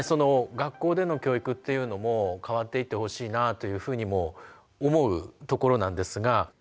学校での教育というのも変わっていってほしいなというふうにも思うところなんですが。